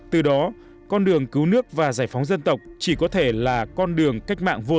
từ đó con đường cứu nước và giải phóng dân tộc chỉ có thể là con đường cách mạng vô